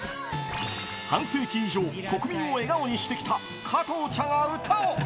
半世紀以上、国民を笑顔にしてきた加藤茶が歌を。